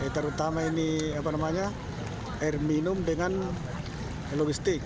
terutama ini air minum dengan logistik